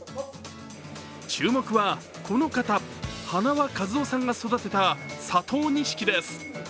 注目は、この方、花輪和雄さんが育てた佐藤錦です。